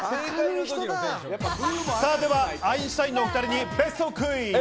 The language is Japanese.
ではアインシュタインのお２人に別荘クイズ。